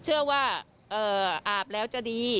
เชื่อว่าอาบแล้วจะดี